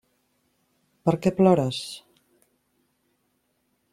Per què plores?